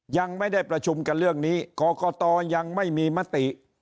ยังไม่ได้ประชุมกันเรื่องนี้กรกตยังไม่มีมติ